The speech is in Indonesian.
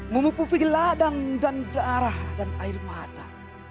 memupu vigi ladang dan darah dan air mata